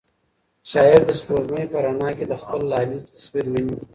شاعر د سپوږمۍ په رڼا کې د خپل لالي تصویر ویني.